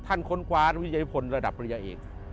ท่านคนควรวิโยธิภลระดับพริยาเอก